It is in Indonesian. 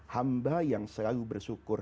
hamba yang selalu bersyukur